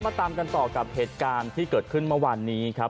ตามกันต่อกับเหตุการณ์ที่เกิดขึ้นเมื่อวานนี้ครับ